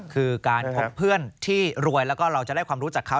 คือการพบเพื่อนที่รวยแล้วก็เราจะได้ความรู้จักเขา